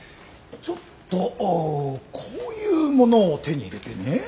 ちょっとこういうものを手に入れてね。